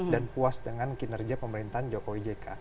dan puas dengan kinerja pemerintahan jokowi jk